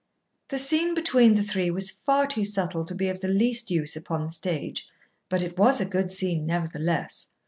The scene between the three was far too subtle to be of the least use upon the stage, but it was a good scene, nevertheless.